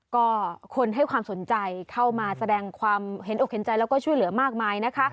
ก็คนให้ความสนใจเข้ามาแสดงความเห็นอกเห็นใจแล้วก็ช่วยเหลือมากมายนะคะ